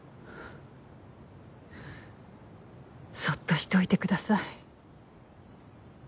そっとしておいてください。